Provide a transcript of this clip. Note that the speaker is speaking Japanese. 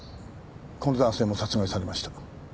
この男性も殺害されました。